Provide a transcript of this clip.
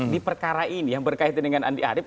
di perkara ini yang berkaitan dengan andi arief